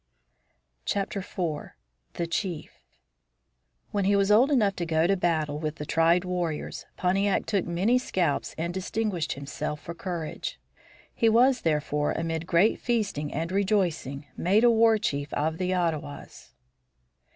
IV. THE CHIEF When he was old enough to go to battle with the tried warriors, Pontiac took many scalps and distinguished himself for courage. He was, therefore, amid great feasting and rejoicing, made a war chief of the Ottawas.